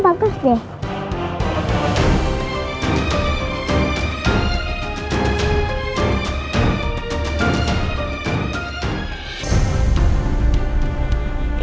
udah nggak mas